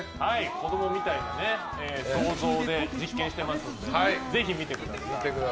子供みたいな想像で実験してますので是非、見てください。